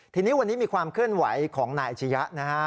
ทีนี้วันนี้มีความเคลื่อนไหวของนายอาชียะนะฮะ